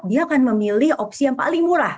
dia akan memilih opsi yang paling murah